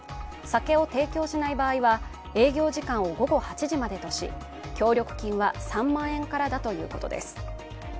酒を提供しない場合は営業時間を午後８時までとし、協力金は３万円からだということです。